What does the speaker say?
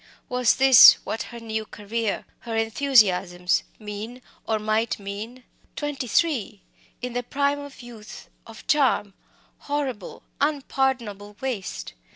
Was this what her new career her enthusiasms meant, or might mean! Twenty three! in the prime of youth, of charm! Horrible, unpardonable waste!